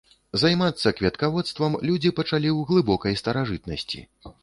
Займацца кветкаводствам людзі пачалі в глыбокай старажытнасці.